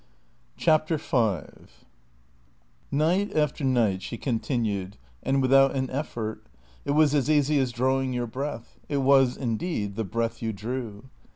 CHAPTER FIVE Night after night she continued, and without an effort. It was as easy as drawing your breath; it was indeed the breath you drew.